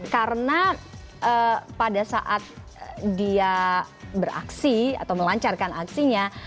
karena pada saat dia beraksi atau melancarkan aksinya